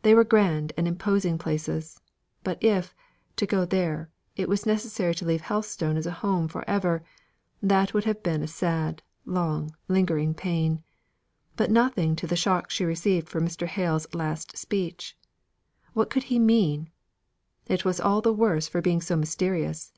They were grand and imposing places, but if, to go there, it was necessary to leave Helstone as a home for ever, that would have been a sad, long, lingering pain. But nothing to the shock she received from Mr. Hale's last speech. What could he mean? It was all the worse for being so mysterious.